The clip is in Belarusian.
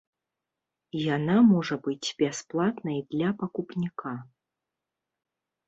Яна можа быць бясплатнай для пакупніка.